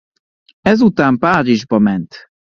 Ezután Párizsba ment.